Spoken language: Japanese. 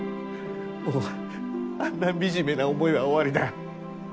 もうあんな惨めな思いは終わりだ。